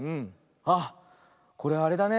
あっこれあれだね。